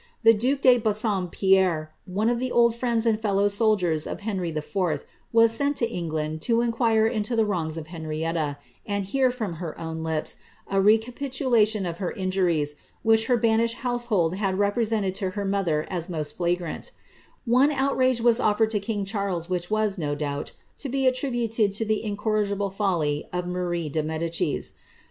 The duke de Bassompierre, one of the old friends and fellow soldiers of Henry IV^ was sent to England to inquire into the wrongs of Henrietta, and hear, from her own lips, a recapitulation of her injuries, which her banished household had represented to her mother as most flagrant One outrage was ofiered to king Charles, which was, no doubt, to be attributed to the incorrigible folly of Marie de Medicis.